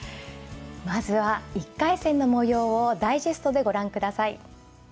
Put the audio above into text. まずは１回戦のもようをダイジェストでご覧ください。